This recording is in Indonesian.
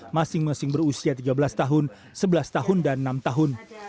masing masing berusia tiga belas tahun sebelas tahun dan enam tahun